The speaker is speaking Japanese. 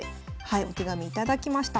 お手紙頂きました。